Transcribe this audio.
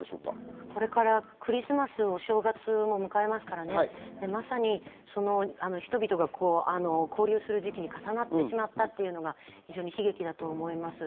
これからクリスマス、お正月を迎えますから、人々が交流する時期に重なってしまったというのが悲劇だと思います。